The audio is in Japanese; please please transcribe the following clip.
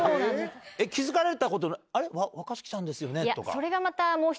気付かれたこと「あれ若槻さんですよね？」とか。